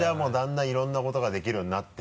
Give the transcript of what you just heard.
いろんなことができるようになって。